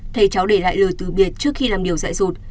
thầy cháu để lại lời từ biệt trước khi làm điều dại rột